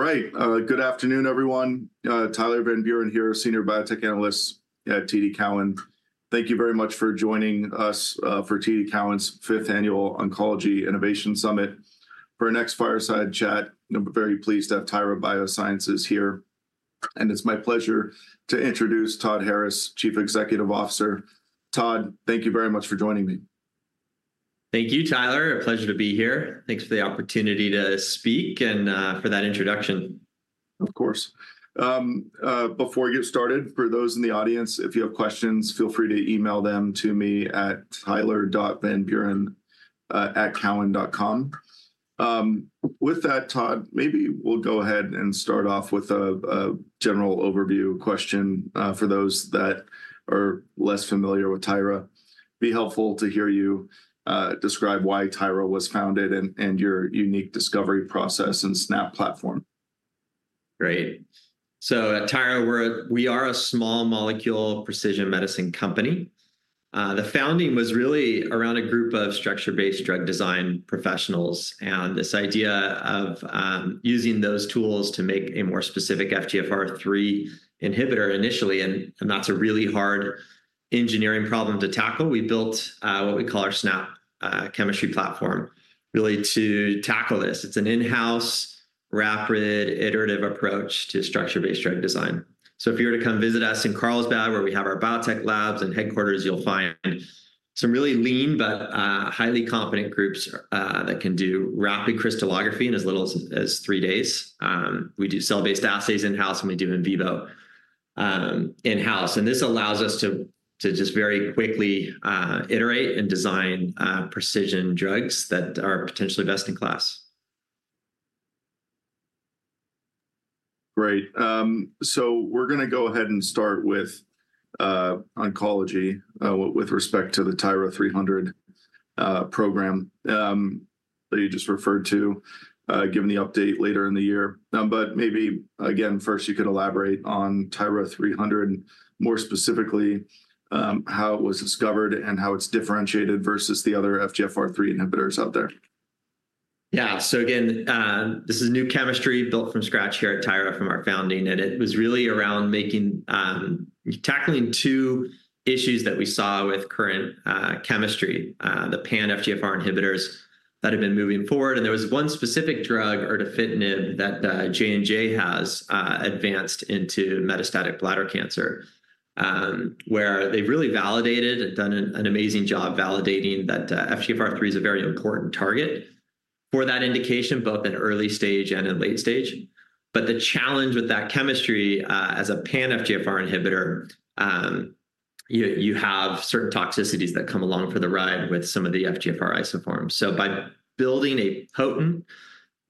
All right, good afternoon, everyone. Tyler Van Buren here, Senior Biotech Analyst at TD Cowen. Thank you very much for joining us for TD Cowen's fifth Annual Oncology Innovation Summit. For our next fireside chat, I'm very pleased to have Tyra Biosciences here, and it's my pleasure to introduce Todd Harris, Chief Executive Officer. Todd, thank you very much for joining me. Thank you, Tyler. A pleasure to be here. Thanks for the opportunity to speak and, for that introduction. Of course. Before we get started, for those in the audience, if you have questions, feel free to email them to me at tyler.vanburen@cowen.com. With that, Todd, maybe we'll go ahead and start off with a general overview question for those that are less familiar with Tyra. Be helpful to hear you describe why Tyra was founded and your unique discovery process and SNAP platform. Great. So at Tyra, we're a- we are a small molecule precision medicine company. The founding was really around a group of structure-based drug design professionals, and this idea of using those tools to make a more specific FGFR3 inhibitor initially, and that's a really hard engineering problem to tackle. We built what we call our SNAP chemistry platform, really to tackle this. It's an in-house, rapid, iterative approach to structure-based drug design. So if you were to come visit us in Carlsbad, where we have our biotech labs and headquarters, you'll find some really lean, but highly competent groups that can do rapid crystallography in as little as three days. We do cell-based assays in-house, and we do in vivo in-house, and this allows us to just very quickly iterate and design precision drugs that are potentially best in class. Great. So we're gonna go ahead and start with oncology, with respect to the TYRA-300 program, that you just referred to, given the update later in the year. But maybe again, first, you could elaborate on TYRA-300, and more specifically, how it was discovered and how it's differentiated versus the other FGFR3 inhibitors out there. Yeah. So again, this is new chemistry built from scratch here at Tyra from our founding, and it was really around tackling two issues that we saw with current chemistry, the pan FGFR inhibitors that have been moving forward, and there was one specific drug, erdafitinib, that J&J has advanced into metastatic bladder cancer, where they've really validated and done an amazing job validating that FGFR3 is a very important target for that indication, both in early stage and in late stage. But the challenge with that chemistry as a pan FGFR inhibitor, you have certain toxicities that come along for the ride with some of the FGFR isoforms. So by building a potent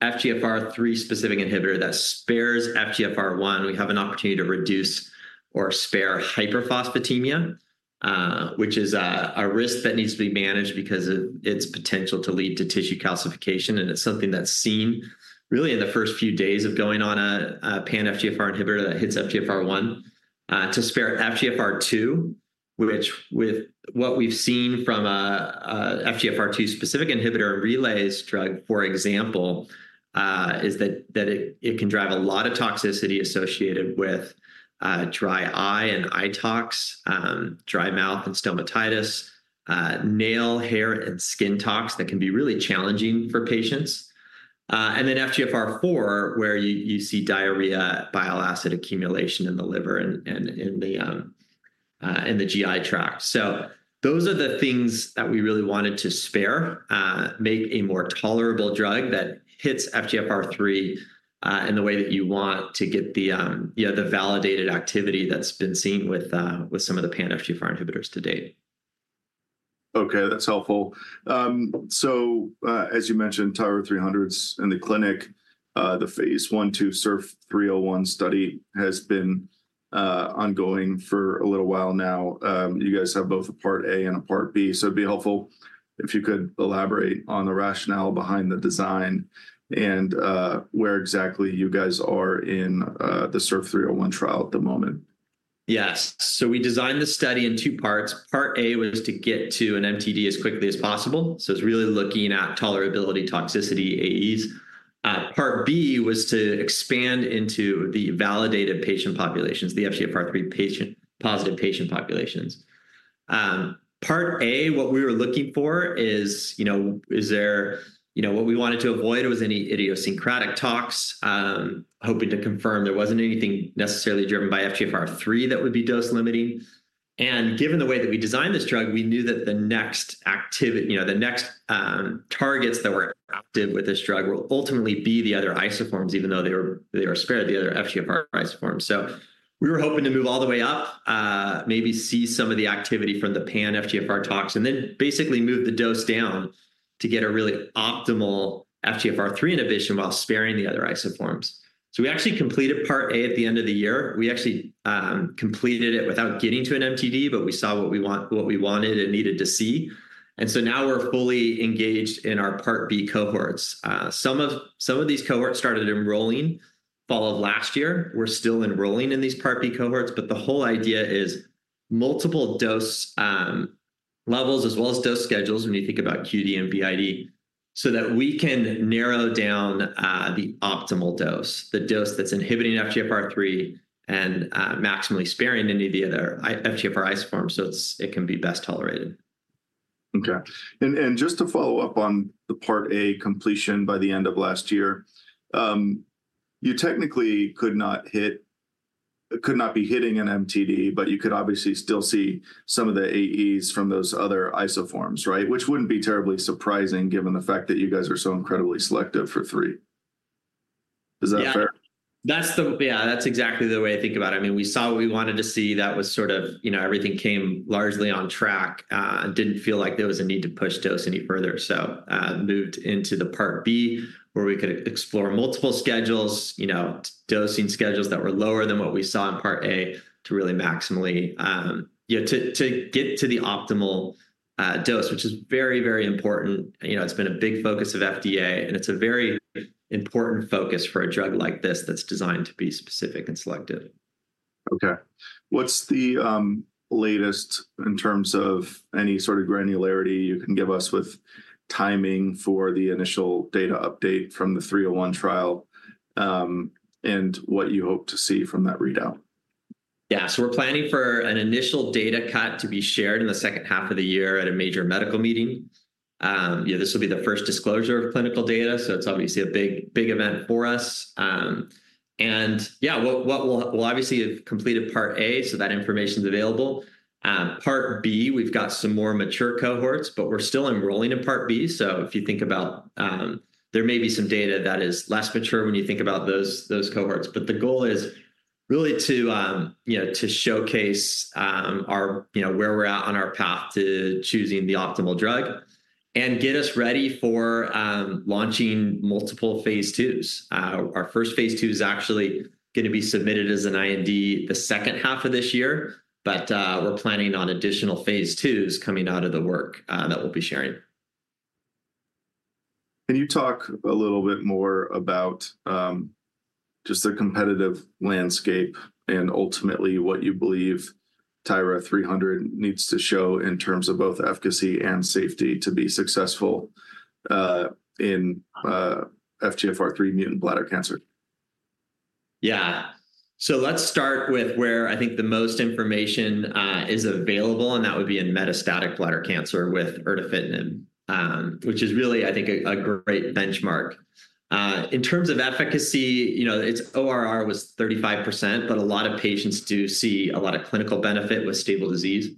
FGFR3-specific inhibitor that spares FGFR1, we have an opportunity to reduce or spare hyperphosphatemia, which is a risk that needs to be managed because of its potential to lead to tissue calcification, and it's something that's seen really in the first few days of going on a pan FGFR inhibitor that hits FGFR1, to spare FGFR2, which with what we've seen from a FGFR2-specific inhibitor, Relay's drug, for example, is that it can drive a lot of toxicity associated with dry eye and eye tox, dry mouth and stomatitis, nail, hair, and skin tox that can be really challenging for patients. And then FGFR4, where you see diarrhea, bile acid accumulation in the liver and in the GI tract. So those are the things that we really wanted to spare, make a more tolerable drug that hits FGFR3, in the way that you want to get the, you know, the validated activity that's been seen with some of the pan FGFR inhibitors to date. Okay, that's helpful. So, as you mentioned, TYRA-300's in the clinic, the Phase 1, 2 SURF301 study has been ongoing for a little while now. You guys have both a Part A and a Part B, so it'd be helpful if you could elaborate on the rationale behind the design and where exactly you guys are in the SURF-301 trial at the moment. Yes. So we designed the study in two parts. Part A was to get to an MTD as quickly as possible, so it's really looking at tolerability, toxicity, AEs. Part B was to expand into the validated patient populations, the FGFR3 patient-positive patient populations. Part A, what we were looking for is, you know, is there... You know, what we wanted to avoid was any idiosyncratic tox, hoping to confirm there wasn't anything necessarily driven by FGFR3 that would be dose limiting. And given the way that we designed this drug, we knew that the next, you know, the next targets that were adopted with this drug will ultimately be the other isoforms, even though they were, they were spared the other FGFR isoforms. So we were hoping to move all the way up, maybe see some of the activity from the pan FGFR tox, and then basically move the dose down to get a really optimal FGFR3 inhibition while sparing the other isoforms. So we actually completed Part A at the end of the year. We actually completed it without getting to an MTD, but we saw what we want- what we wanted and needed to see, and so now we're fully engaged in our Part B cohorts. Some of these cohorts started enrolling fall of last year. We're still enrolling in these Part B cohorts, but the whole idea is multiple dose,... levels as well as dose schedules when you think about QD and BID, so that we can narrow down the optimal dose, the dose that's inhibiting FGFR3 and maximally sparing any of the other FGFR isoforms, so it can be best tolerated. Okay. And just to follow up on the Part A completion by the end of last year, you technically could not be hitting an MTD, but you could obviously still see some of the AEs from those other isoforms, right? Which wouldn't be terribly surprising, given the fact that you guys are so incredibly selective for three. Is that fair? Yeah. That's exactly the way I think about it. I mean, we saw what we wanted to see. That was sort of, you know, everything came largely on track, and didn't feel like there was a need to push dose any further. So, moved into the Part B, where we could explore multiple schedules, you know, dosing schedules that were lower than what we saw in Part A, to really maximally, yeah, to get to the optimal, dose, which is very, very important. You know, it's been a big focus of FDA, and it's a very important focus for a drug like this that's designed to be specific and selective. Okay. What's the latest in terms of any sort of granularity you can give us with timing for the initial data update from the 301 trial, and what you hope to see from that readout? Yeah, so we're planning for an initial data cut to be shared in the second half of the year at a major medical meeting. Yeah, this will be the first disclosure of clinical data, so it's obviously a big, big event for us. And yeah, we'll obviously have completed Part A, so that information's available. Part B, we've got some more mature cohorts, but we're still enrolling in Part B. So if you think about, there may be some data that is less mature when you think about those cohorts. But the goal is really to, you know, to showcase, our, you know, where we're at on our path to choosing the optimal drug and get us ready for, launching multiple phase 2s. Our first phase II is actually gonna be submitted as an IND the second half of this year, but we're planning on additional phase II's coming out of the work that we'll be sharing. Can you talk a little bit more about, just the competitive landscape and ultimately, what you believe TYRA-300 needs to show in terms of both efficacy and safety to be successful, in FGFR3 mutant bladder cancer? Yeah. So let's start with where I think the most information is available, and that would be in metastatic bladder cancer with Erdafitinib, which is really, I think, a great benchmark. In terms of efficacy, you know, its ORR was 35%, but a lot of patients do see a lot of clinical benefit with stable disease.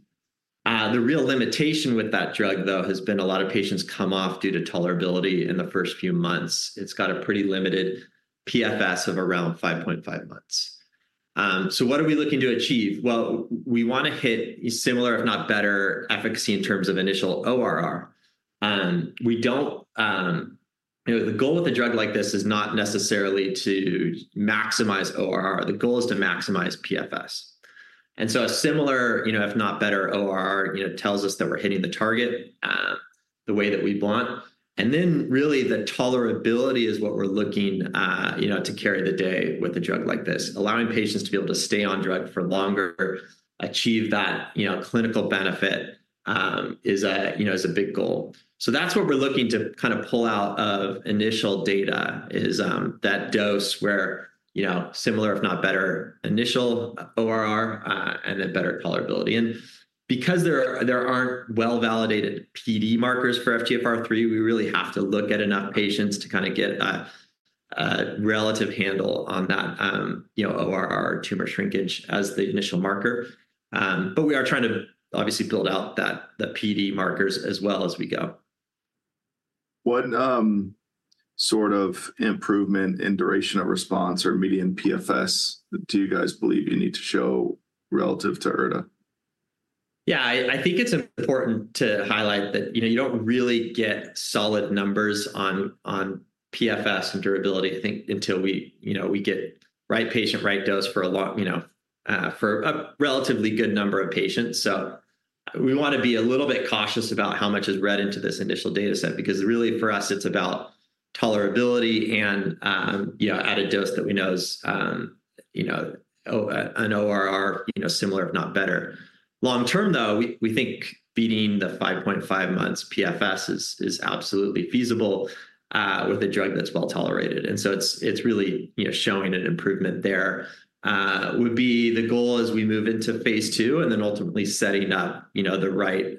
The real limitation with that drug, though, has been a lot of patients come off due to tolerability in the first few months. It's got a pretty limited PFS of around 5.5 months. So what are we looking to achieve? Well, we wanna hit similar, if not better, efficacy in terms of initial ORR. We don't, you know, the goal with a drug like this is not necessarily to maximize ORR. The goal is to maximize PFS. And so a similar, you know, if not better, ORR, you know, tells us that we're hitting the target, the way that we want. And then, really, the tolerability is what we're looking, you know, to carry the day with a drug like this. Allowing patients to be able to stay on drug for longer, achieve that, you know, clinical benefit, is a, you know, is a big goal. So that's what we're looking to kind of pull out of initial data, is, that dose where, you know, similar if not better initial ORR, and then better tolerability. And because there aren't well-validated PD markers for FGFR3, we really have to look at enough patients to kind of get a relative handle on that, you know, ORR tumor shrinkage as the initial marker. But we are trying to obviously build out the PD markers as well as we go. What sort of improvement in duration of response or median PFS do you guys believe you need to show relative to erda? Yeah, I think it's important to highlight that, you know, you don't really get solid numbers on PFS and durability, I think, until we, you know, we get right patient, right dose for a lot, you know, for a relatively good number of patients. So we wanna be a little bit cautious about how much is read into this initial data set, because really, for us, it's about tolerability and, you know, at a dose that we know is, you know, oh, an ORR, you know, similar if not better. Long-term, though, we think beating the 5.5 months PFS is absolutely feasible, with a drug that's well-tolerated, and so it's really, you know, showing an improvement there. Would be the goal as we move into phase II, and then ultimately setting up, you know, the right,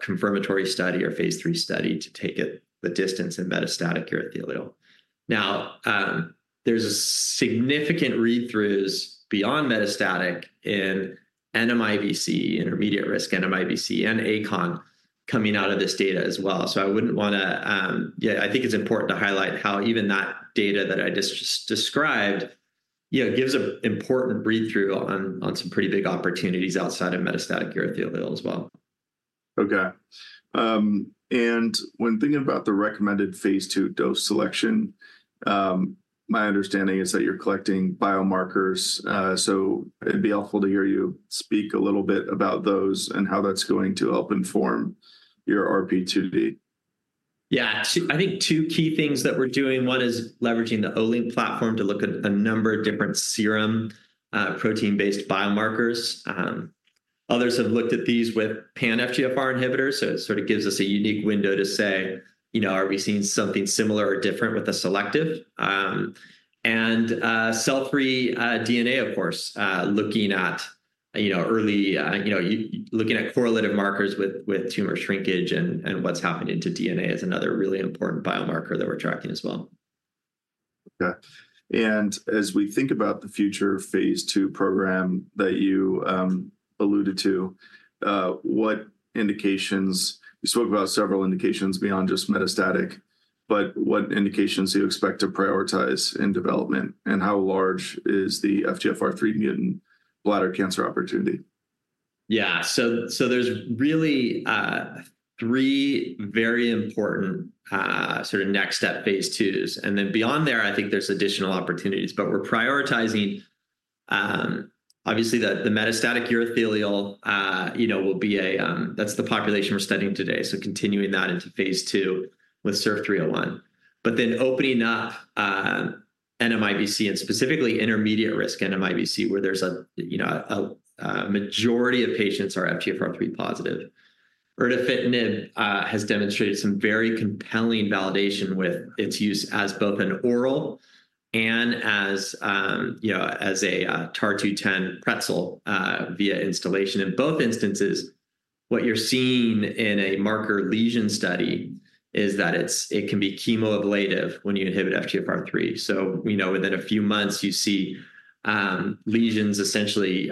confirmatory study or phase III study to take it the distance in metastatic urothelial. Now, there's a significant read-throughs beyond metastatic in NMIBC, intermediate-risk NMIBC and achondroplasia coming out of this data as well. So I wouldn't wanna, yeah, I think it's important to highlight how even that data that I just described, you know, gives a important read-through on some pretty big opportunities outside of metastatic urothelial as well. Okay. When thinking about the recommended Phase 2 dose selection, my understanding is that you're collecting biomarkers. It'd be helpful to hear you speak a little bit about those and how that's going to help inform your RP2D. ... Yeah, two, I think two key things that we're doing. One is leveraging the Olink platform to look at a number of different serum protein-based biomarkers. Others have looked at these with pan FGFR inhibitors, so it sort of gives us a unique window to say, "You know, are we seeing something similar or different with a selective?" And cell-free DNA, of course, looking at, you know, early, you know, looking at correlative markers with tumor shrinkage and what's happening to DNA is another really important biomarker that we're tracking as well. Okay. And as we think about the future Phase 2 program that you alluded to, what indications... You spoke about several indications beyond just metastatic, but what indications do you expect to prioritize in development, and how large is the FGFR3 mutant bladder cancer opportunity? Yeah. So there's really three very important sort of next step phase II. And then, beyond there, I think there's additional opportunities. But we're prioritizing obviously the metastatic urothelial you know will be a... That's the population we're studying today, so continuing that into phase II with SURF301. But then opening up NMIBC, and specifically intermediate-risk NMIBC, where there's a you know a majority of patients are FGFR3 positive. Erdafitinib has demonstrated some very compelling validation with its use as both an oral and as you know as a TAR-210 pretzel via instillation. In both instances, what you're seeing in a marker lesion study is that it can be chemoablative when you inhibit FGFR3. So we know within a few months, you see, lesions essentially,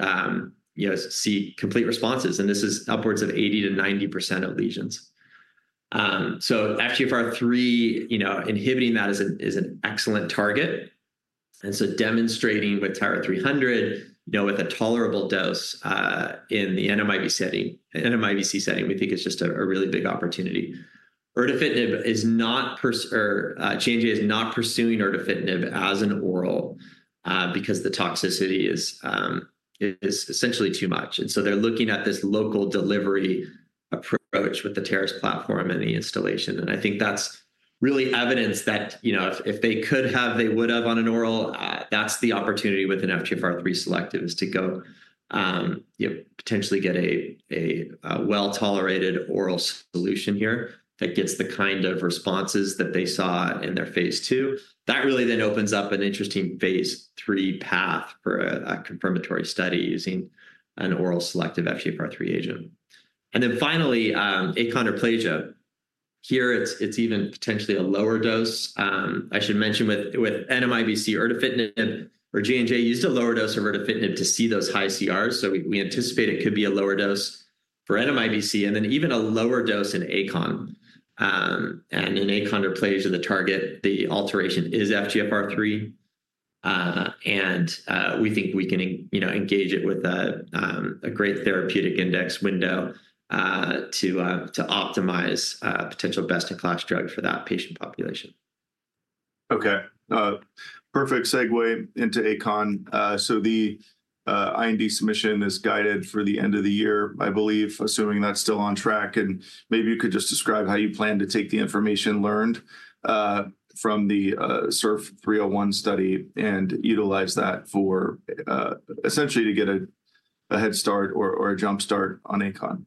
you know, see complete responses, and this is upwards of 80%-90% of lesions. So FGFR3, you know, inhibiting that is an excellent target, and so demonstrating with TYRA-300, you know, with a tolerable dose in the NMIBC setting, we think is just a really big opportunity. Erdafitinib is not, or J&J is not pursuing erdafitinib as an oral because the toxicity is essentially too much. And so they're looking at this local delivery approach with the TARIS platform and the instillation, and I think that's really evidence that, you know, if they could have, they would have on an oral. That's the opportunity with an FGFR3 selective, is to go, you know, potentially get a well-tolerated oral solution here that gets the kind of responses that they saw in their phase 2. That really then opens up an interesting phase 3 path for a confirmatory study using an oral selective FGFR3 agent. And then finally, achondroplasia. Here, it's even potentially a lower dose. I should mention with NMIBC erdafitinib, where J&J used a lower dose of erdafitinib to see those high CRs, so we anticipate it could be a lower dose for NMIBC, and then even a lower dose in achondroplasia. In achondroplasia, the target, the alteration is FGFR3, and we think we can, you know, engage it with a great therapeutic index window, to optimize a potential best-in-class drug for that patient population. Okay, perfect segue into ACON. So the IND submission is guided for the end of the year, I believe, assuming that's still on track. And maybe you could just describe how you plan to take the information learned from the SURF301 study and utilize that for essentially to get a head start or a jumpstart on ACON.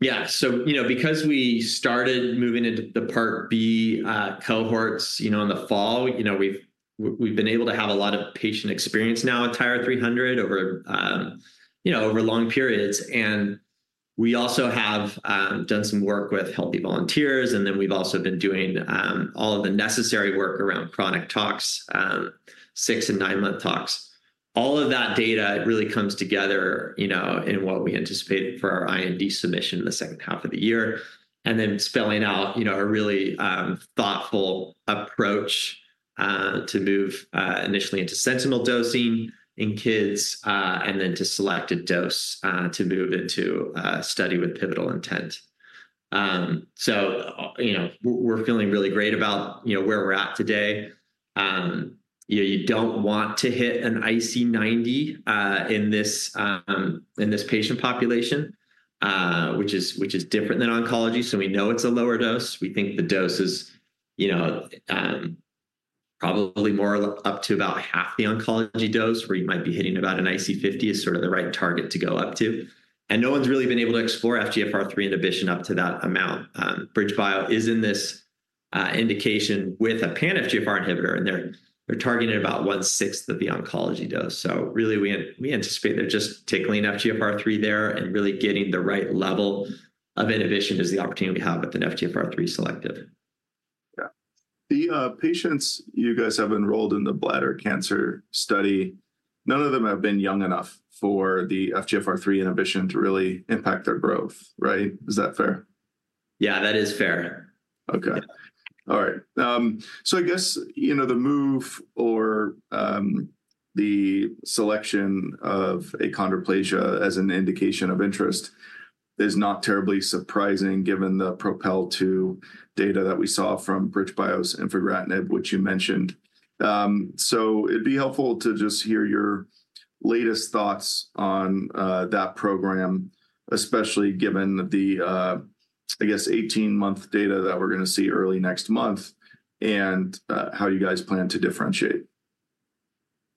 Yeah. So, you know, because we started moving into the Part B cohorts, you know, in the fall, you know, we've been able to have a lot of patient experience now with TYRA-300 over, you know, over long periods. And we also have done some work with healthy volunteers, and then we've also been doing all of the necessary work around chronic tox, six- and nine-month tox. All of that data really comes together, you know, in what we anticipate for our IND submission in the second half of the year, and then spelling out, you know, a really thoughtful approach to move initially into sentinel dosing in kids, and then to select a dose to move into a study with pivotal intent. So, you know, we're feeling really great about, you know, where we're at today. You know, you don't want to hit an IC90 in this patient population, which is different than oncology, so we know it's a lower dose. We think the dose is, you know, probably more up to about half the oncology dose, where you might be hitting about an IC50, is sort of the right target to go up to. No one's really been able to explore FGFR3 inhibition up to that amount. BridgeBio is in this indication with a pan FGFR inhibitor, and they're targeting about 1/6 of the oncology dose. So really, we anticipate that just tickling FGFR3 there and really getting the right level of inhibition is the opportunity we have with an FGFR3 selective. Yeah. The patients you guys have enrolled in the bladder cancer study, none of them have been young enough for the FGFR3 inhibition to really impact their growth, right? Is that fair? Yeah, that is fair. Okay. All right. So I guess, you know, the move or the selection of achondroplasia as an indication of interest is not terribly surprising, given the PROPEL 2 data that we saw from BridgeBio's infigratinib, which you mentioned. So it'd be helpful to just hear your latest thoughts on that program, especially given the, I guess, 18-month data that we're gonna see early next month, and how you guys plan to differentiate?...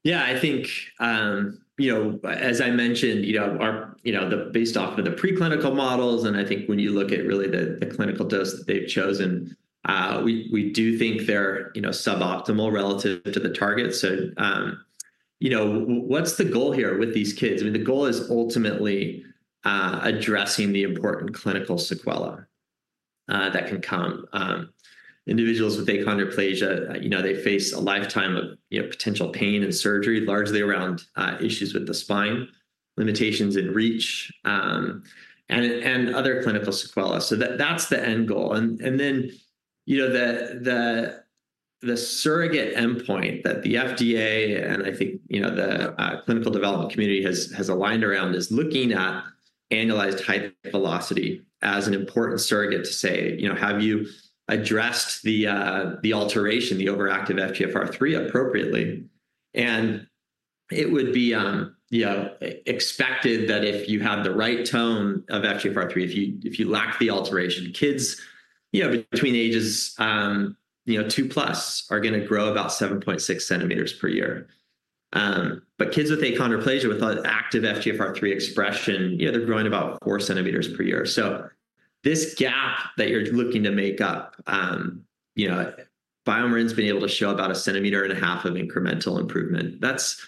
Yeah, I think, you know, as I mentioned, you know, our, you know, based off of the preclinical models, and I think when you look at really the clinical dose that they've chosen, we do think they're, you know, suboptimal relative to the target. So, you know, what's the goal here with these kids? I mean, the goal is ultimately addressing the important clinical sequelae that can come. Individuals with achondroplasia, you know, they face a lifetime of, you know, potential pain and surgery, largely around issues with the spine, limitations in reach, and other clinical sequelae. So that's the end goal. Then, you know, the surrogate endpoint that the FDA, and I think, you know, the clinical development community has aligned around, is looking at annualized height velocity as an important surrogate to say, you know, "Have you addressed the alteration, the overactive FGFR3 appropriately?" And it would be, you know, expected that if you had the right tone of FGFR3, if you lack the alteration, kids, you know, between ages 2+, are gonna grow about 7.6 centimeters per year. But kids with achondroplasia, with active FGFR3 expression, you know, they're growing about 4 centimeters per year. So this gap that you're looking to make up, you know, BioMarin's been able to show about 1.5 centimeters of incremental improvement. That's...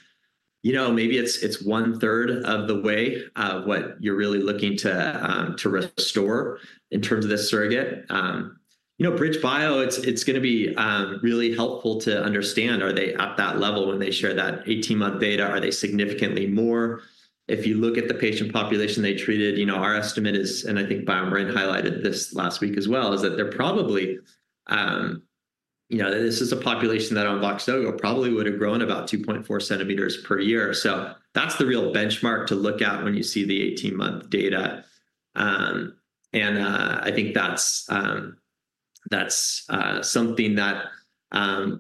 You know, maybe it's, it's one-third of the way of what you're really looking to, to restore in terms of this surrogate. You know, BridgeBio, it's, it's gonna be, really helpful to understand, are they at that level when they share that 18-month data? Are they significantly more? If you look at the patient population they treated, you know, our estimate is, and I think BioMarin highlighted this last week as well, is that they're probably... You know, this is a population that on Voxzogo probably would've grown about 2.4 centimeters per year. So that's the real benchmark to look at when you see the 18-month data. And, I think that's, that's, something that,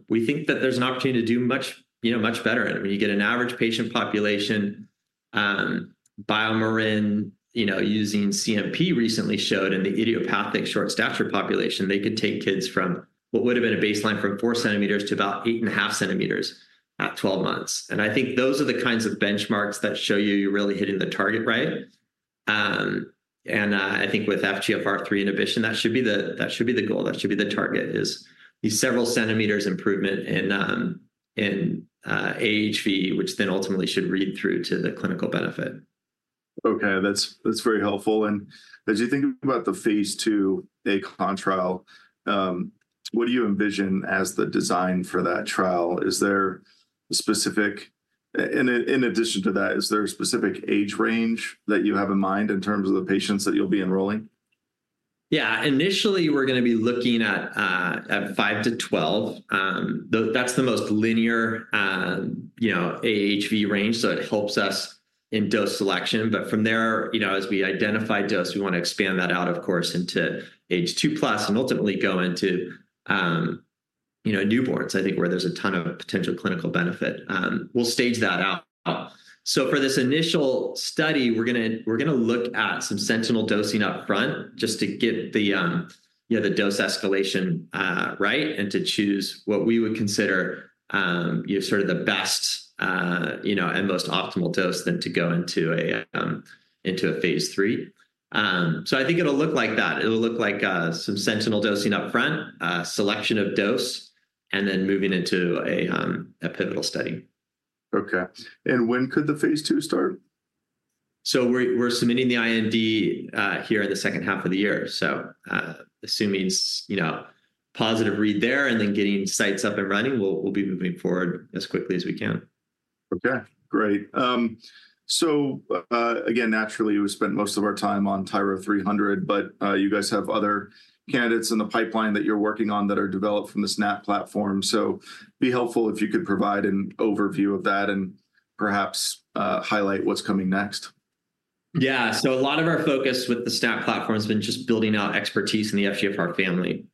we think that there's an opportunity to do much, you know, much better. When you get an average patient population, BioMarin, you know, using CNP, recently showed in the idiopathic short stature population, they could take kids from what would've been a baseline from 4 centimeters to about 8.5 centimeters at 12 months. I think those are the kinds of benchmarks that show you you're really hitting the target right. I think with FGFR3 inhibition, that should be the goal, that should be the target, is the several centimeters improvement in AHV, which then ultimately should read through to the clinical benefit. Okay, that's very helpful. And as you think about the phase II achondroplasia trial, what do you envision as the design for that trial? Is there a specific... In addition to that, is there a specific age range that you have in mind in terms of the patients that you'll be enrolling? Yeah. Initially, we're gonna be looking at 5-12. That's the most linear, you know, AHV range, so it helps us in dose selection. But from there, you know, as we identify dose, we wanna expand that out, of course, into age 2+, and ultimately go into, you know, newborns, I think where there's a ton of potential clinical benefit. We'll stage that out. So for this initial study, we're gonna look at some sentinel dosing upfront just to get the, you know, the dose escalation right, and to choose what we would consider, you know, sort of the best and most optimal dose than to go into a phase III. So I think it'll look like that. It'll look like, some sentinel dosing upfront, selection of dose, and then moving into a, a pivotal study. Okay. When could the Phase II start? So we're submitting the IND here in the second half of the year. So, assuming it's, you know, positive read there, and then getting sites up and running, we'll be moving forward as quickly as we can. Okay, great. So, again, naturally, we spent most of our time on TYRA-300, but you guys have other candidates in the pipeline that you're working on that are developed from the SNAP platform. So it'd be helpful if you could provide an overview of that, and perhaps highlight what's coming next. Yeah. So a lot of our focus with the SNAP platform has been just building out expertise in the FGFR family.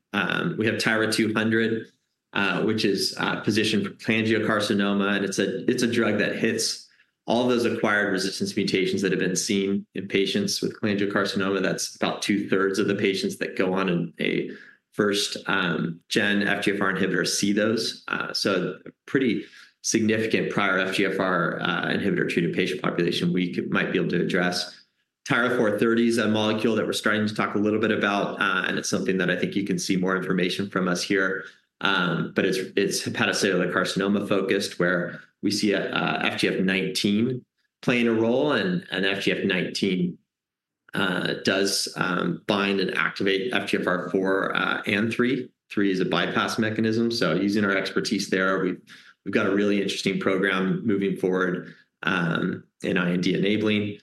We have TYRA-200, which is positioned for cholangiocarcinoma, and it's a drug that hits all those acquired resistance mutations that have been seen in patients with cholangiocarcinoma. That's about 2/3 of the patients that go on in a first gen FGFR inhibitor see those. So pretty significant prior FGFR inhibitor-treated patient population we might be able to address. TYRA-430 is a molecule that we're starting to talk a little bit about, and it's something that I think you can see more information from us here. But it's hepatocellular carcinoma-focused, where we see FGF19 playing a role, and FGF19 does bind and activate FGFR4 and 3. 3 is a bypass mechanism, so using our expertise there, we've got a really interesting program moving forward in IND-enabling.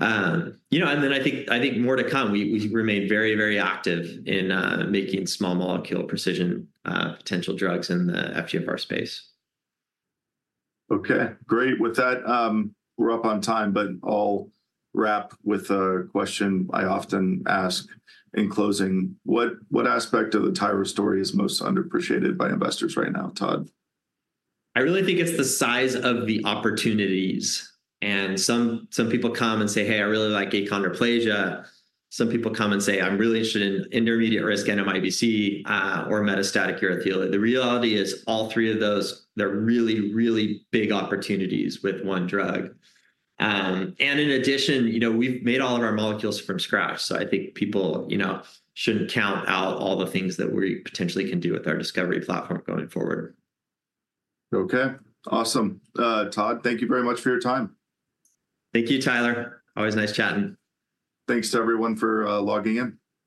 You know, and then I think more to come. We remain very, very active in making small molecule precision potential drugs in the FGFR space. Okay, great. With that, we're up on time, but I'll wrap with a question I often ask in closing: What, what aspect of the TYRA story is most underappreciated by investors right now, Todd? I really think it's the size of the opportunities. Some people come and say, "Hey, I really like achondroplasia." Some people come and say, "I'm really interested in intermediate-risk NMIBC or metastatic urothelial." The reality is all three of those, they're really, really big opportunities with one drug. And in addition, you know, we've made all of our molecules from scratch, so I think people, you know, shouldn't count out all the things that we potentially can do with our discovery platform going forward. Okay, awesome. Todd, thank you very much for your time. Thank you, Tyler. Always nice chatting. Thanks to everyone for logging in.